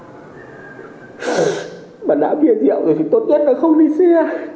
mọi người là tốt nhất là không đi xe